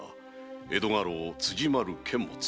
江戸家老・辻丸監物。